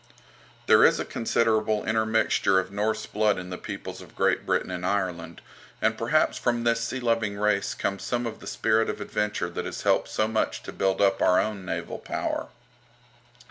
There is a considerable intermixture of Norse blood in the peoples of Great Britain and Ireland, and perhaps from this sea loving race comes some of the spirit of adventure that has helped so much to build up our own naval power.